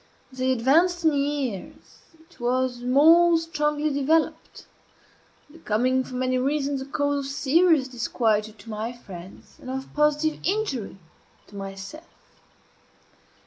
As I advanced in years it was more strongly developed; becoming, for many reasons, a cause of serious disquietude to my friends, and of positive injury to myself.